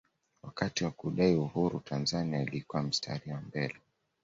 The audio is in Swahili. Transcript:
wakati wa kudai uhuru tanzania ilikuwa mstari wa mbele